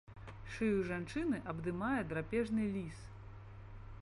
Шыю жанчыны абдымае драпежны ліс.